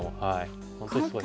本当にすごい。